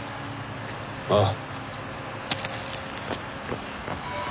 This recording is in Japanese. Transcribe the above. ああ。